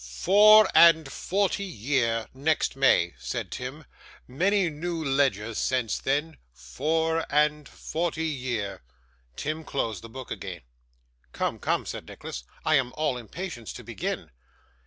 'Four and forty year, next May!' said Tim. 'Many new ledgers since then. Four and forty year!' Tim closed the book again. 'Come, come,' said Nicholas, 'I am all impatience to begin.